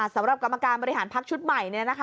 สำหรับกราบกรรมการบริหารภาคชุดใหม่